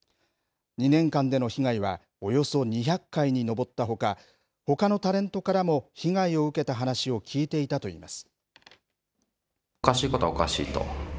２年間での被害はおよそ２００回に上ったほか、ほかのタレントからも被害を受けた話を聞いていたといいます。